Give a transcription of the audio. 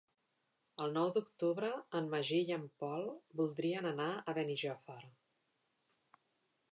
El nou d'octubre en Magí i en Pol voldrien anar a Benijòfar.